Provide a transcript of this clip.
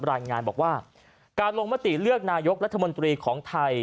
รายงานบอกว่าการลงมติเลือกนายกรัฐมนตรีของไทย